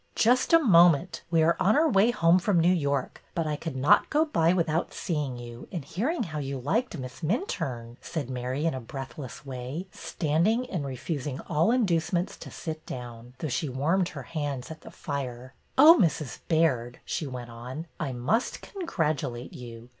'' Just a moment. We are on our way home from New York, but I could not go by without seeing you, and hearing how you liked Miss Minturne," said Mary in a breathless way, stand ing, and refusing all inducements to sit down, though she warmed her hands at the fire. Oh, Mrs. Baird," she went on, '' I must congratulate you.